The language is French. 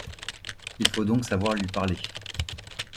Il faut donc savoir lui parler.